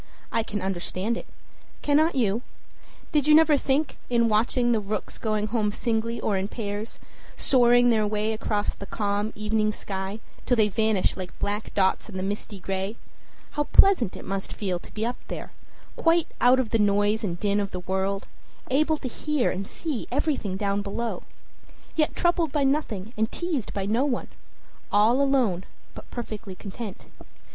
I can understand it. Cannot you? Did you never think, in watching the rooks going home singly or in pairs, soaring their way across the calm evening sky till they vanish like black dots in the misty gray, how pleasant it must feel to be up there, quite out of the noise and din of the world, able to hear and see everything down below, yet troubled by nothing and teased by no one all alone, but perfectly content?